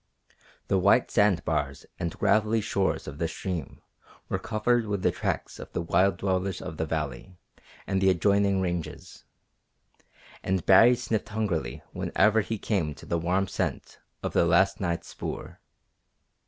The white sand bars and gravelly shores of the stream were covered with the tracks of the wild dwellers of the valley and the adjoining ranges, and Baree sniffed hungrily whenever he came to the warm scent of the last night's spoor.